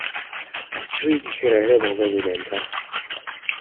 Авчиръя гэхээр арай болоогүй байна даа.